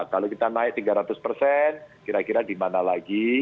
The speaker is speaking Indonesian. kalau kita naik tiga ratus persen kira kira di mana lagi